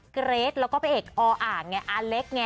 เกรทแล้วก็พระเอกออ่างไงอาเล็กไง